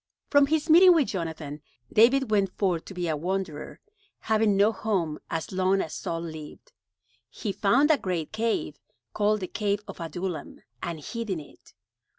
From his meeting with Jonathan, David went forth to be a wanderer, having no home as long as Saul lived. He found a great cave, called the cave of Adullam, and hid in it.